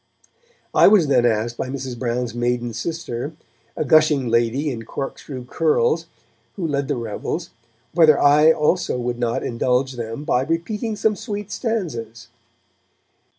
I was then asked by Mrs. Brown's maiden sister, a gushing lady in corkscrew curls, who led the revels, whether I also would not indulge them 'by repeating some sweet stanzas'.